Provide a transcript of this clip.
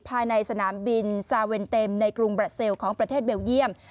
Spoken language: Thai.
ภายในสนามบินซาเวนเต็มในกรุงบราเซลของประเทศเบลเยี่ยม